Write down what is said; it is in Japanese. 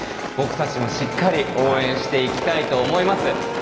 僕たちもしっかり応援していきたいと思います。